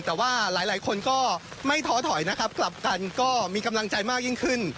แต่ว่าหลายคนก็ไม่ท้อถอยนะครับกลับกันก็มีกำลังใจมากยิ่งขึ้น